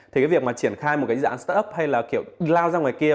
thì cái việc mà triển khai một cái dạng start up hay là kiểu lao ra ngoài kia